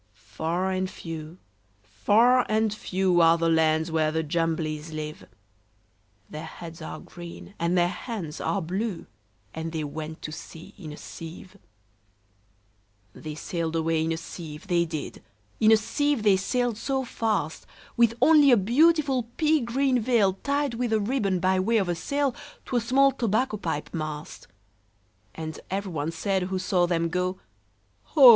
Far and few, far and few, Are the lands where the Jumblies live: Their heads are green, and their hands are blue And they went to sea in a sieve. II. They sailed away in a sieve, they did, In a sieve they sailed so fast, With only a beautiful pea green veil Tied with a ribbon, by way of a sail, To a small tobacco pipe mast. And every one said who saw them go, "Oh!